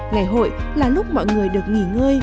ngày hội là lúc mọi người được nghỉ ngơi